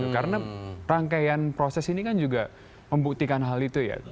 karena rangkaian proses ini kan juga membuktikan hal itu ya